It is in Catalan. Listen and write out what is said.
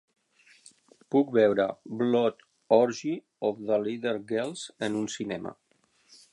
Puc veure Blood Orgy of the Leather Girls en un cinema.